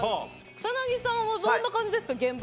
草なぎさんはどんな感じですか